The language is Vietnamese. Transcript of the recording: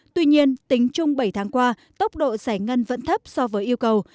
tuy nhiên tính chung bảy tháng qua tốc độ giải ngân vẫn thấp so với yêu cầu